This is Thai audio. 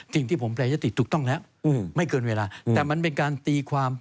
สิ่งที่ผมแปรยติถูกต้องแล้วไม่เกินเวลาแต่มันเป็นการตีความ